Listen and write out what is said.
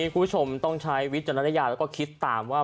คุณผู้ชมต้องใช้วิจารณญาณแล้วก็คิดตามว่า